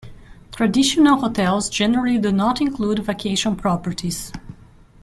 Traditional hotels generally do not include vacation properties.